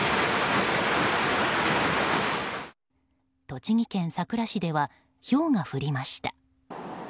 栃木県さくら市ではひょうが降りました。